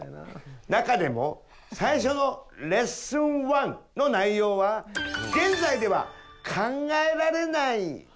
中でも最初の「レッスン１」の内容は現在では考えられない内容になっています。